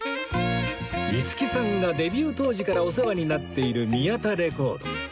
五木さんがデビュー当時からお世話になっている宮田レコード